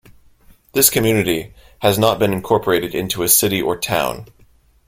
This community has not been incorporated into a city or town.